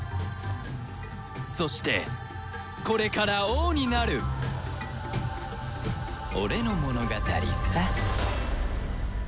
そしてこれから王になる俺の物語さ